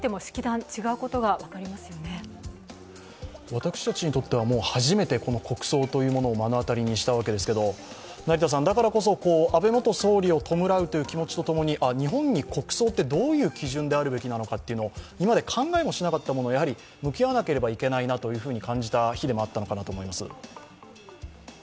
私たちにとっては、初めて国葬というものを目の当たりにしたわけですけれども、だからこそ、安倍元総理を弔うということと同時に日本に国葬ってどういう基準であるべきなのたというのを今まで考えもしなかったものに向き合わなければいけないと感じた日でもあったのかなと思います。